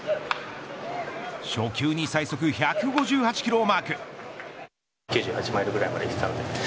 初球に最速１５８キロをマーク。